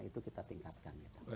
itu kita tingkatkan